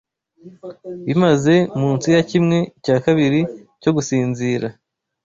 Bimaze munsi ya kimwe cya kabiri cyo gusinzira